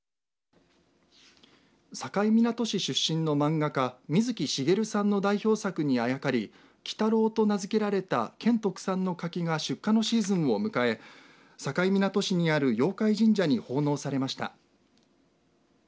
境港市出身の漫画家水木しげるさんの代表作にあやかり輝太郎と名付けられた県特産の柿が出荷のシーズンを迎え境港市にある妖怪神社に奉納されました。